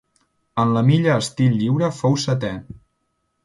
En la milla estil lliure fou setè.